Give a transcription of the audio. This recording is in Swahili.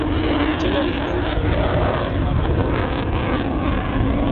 Tena ni udongo na wewe mfinyanzi Baba